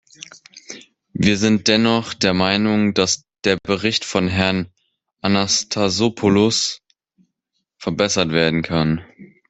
Wir sind dennoch der Meinung, dass der Bericht von Herrn Anastassopoulos verbessert werden kann.